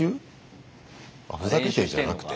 ふざけてんじゃなくて？